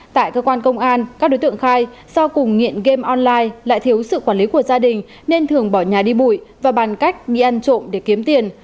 tại cơ quan công an các đối tượng khai do cùng nghiện game online lại thiếu sự quản lý của gia đình nên thường bỏ nhà đi bụi và bàn cách nghĩ ăn trộm để kiếm tiền